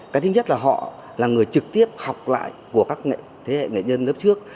cái thứ nhất là họ là người trực tiếp học lại của các thế hệ nghệ nhân lớp trước